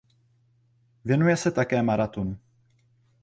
Věnuje se také maratonu.